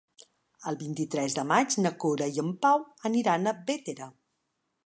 El vint-i-tres de maig na Cora i en Pau aniran a Bétera.